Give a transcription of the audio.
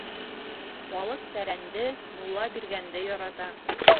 Балыҡ тәрәнде, мулла биргәнде ярата.